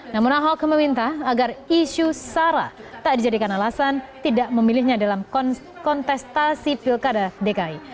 namun ahok meminta agar isu sara tak dijadikan alasan tidak memilihnya dalam kontestasi pilkada dki